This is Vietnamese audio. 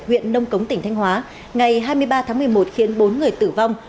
huyện nông cống tỉnh thanh hóa ngày hai mươi ba tháng một mươi một khiến bốn người tử vong